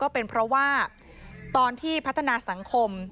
เป็นเพราะว่าตอนที่พัฒนาสังคม